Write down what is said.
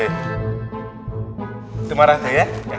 itu marah tuh ya